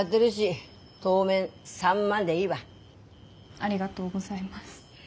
ありがとうございます。